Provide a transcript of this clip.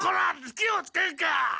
気をつけんか！